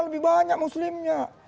lebih banyak muslimnya